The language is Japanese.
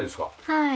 はい。